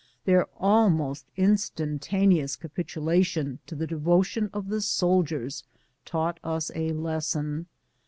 Their almost instantaneous capitula tion to the devotion of the soldiers taught us a lesson.